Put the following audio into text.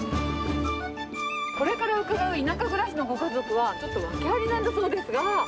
これから伺う田舎暮らしのご家族は、ちょっと訳ありなんだそうですが。